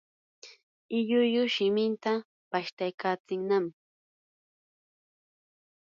lllullu shimintan pashtaykachinnam.